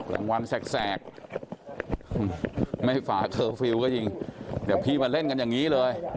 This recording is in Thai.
ลังวัลแสกไม่ฝาเคอร์ฟลิวแบบพี่มาเล่นกันอย่างนี้เลย